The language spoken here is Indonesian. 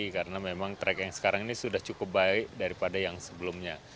karena memang track yang sekarang ini sudah cukup baik daripada yang sebelumnya